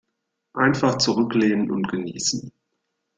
Einfach zurücklehnen und genießen.